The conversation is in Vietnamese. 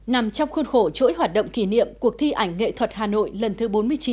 nằm trong khuôn khổ chuỗi hoạt động kỷ niệm cuộc thi ảnh nghệ thuật hà nội lần thứ bốn mươi chín